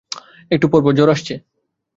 একটু পর পর জ্বর আসছে।